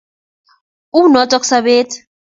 Uu noto sobet